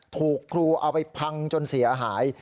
ถูกครูเอาไปพังจนเสียหาย